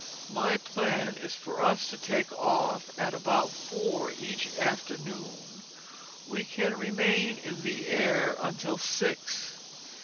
My plan is for us to take off at about four each afternoon. We can remain in the air until six.